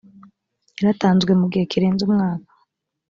yaratanzwe mu gihe kirenze umwaka